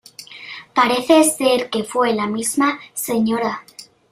Parece ser que fue la misma Sra.